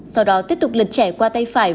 sau đó tiếp tục lật trẻ qua tay phải